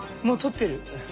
もう撮ってる。